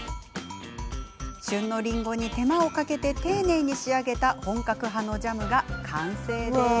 旬のりんごに手間をかけ丁寧に仕上げた本格派のジャムが完成です。